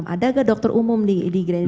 ada tidak dokter umum di grand indonesia